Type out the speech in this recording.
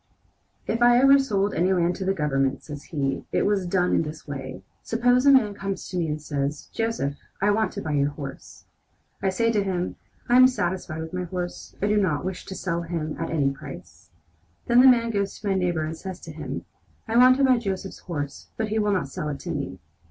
"If I ever sold any land to the Government," says he, "it was done in this way: Suppose a man comes to me and says: 'Joseph, I want to buy your horse.' I say to him: 'I am satisfied with my horse. I do not wish to sell him at any price.' Then the man goes to my neighbor and says to him: 'I want to buy Joseph's horse, but he would not sell it to me.'